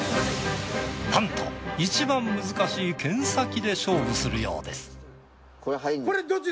なんといちばん難しい剣先で勝負するようです。